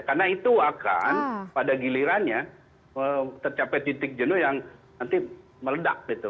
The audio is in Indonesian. karena itu akan pada gilirannya tercapai titik jenuh yang nanti meledak gitu